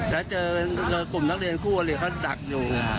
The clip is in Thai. แล้วเจอกลุ่มนักเรียนคู่อริเขาดักอยู่